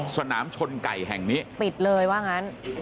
สนามชนไก่แห่งนี้ปิดเลยว่างั้น